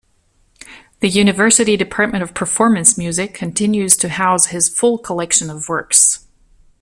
The University Department of Performance Music continues to house his full collection of works.